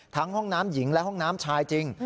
ห้องน้ำหญิงและห้องน้ำชายจริง